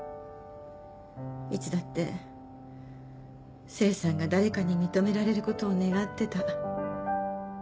いつだって清さんが誰かに認められることを願ってた。